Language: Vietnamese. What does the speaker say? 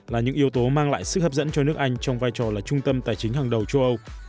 là những yếu tố mang lại sức hấp dẫn cho nước anh trong vai trò là trung tâm tài chính hàng đầu châu âu